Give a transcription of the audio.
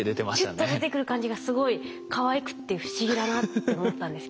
ピュッと出てくる感じがすごいかわいくって不思議だなって思ったんですけど。